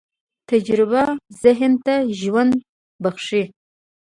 تجربه ذهن ته ژوند بښي.